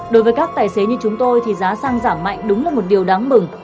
đối với các tài xế như chúng tôi thì giá xăng giảm mạnh đúng là một điều đáng mừng